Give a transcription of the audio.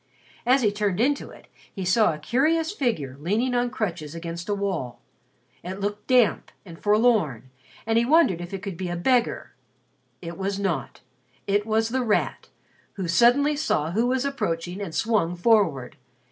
As he turned into it, he saw a curious figure leaning on crutches against a wall. It looked damp and forlorn, and he wondered if it could be a beggar. It was not. It was The Rat, who suddenly saw who was approaching and swung forward.